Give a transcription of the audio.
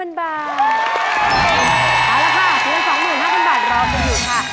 เอาล่ะค่ะสิ้น๒๕๐๐๐บาทรอจนอยู่ค่ะ